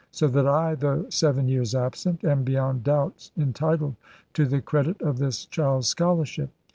So that I, though seven years absent, am beyond doubt entitled to the credit of this child's scholarship.